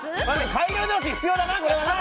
改良の余地必要だなこれはな！